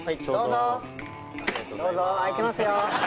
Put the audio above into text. どうぞ、空いてますよ。